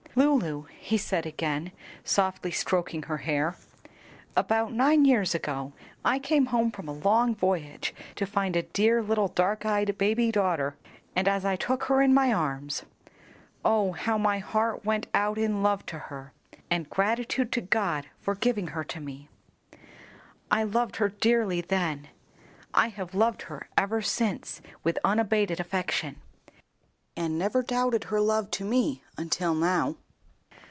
"Lulu," he said, again softly stroking her hair, "about nine years ago I came home from a long voyage to find a dear little dark eyed baby daughter, and as I took her in my arms, oh how my heart went out in love to her and gratitude to God for giving her to me! I loved her dearly then. I have loved her ever since with unabated affection, and never doubted her love to me until now."